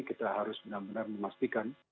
kita harus benar benar memastikan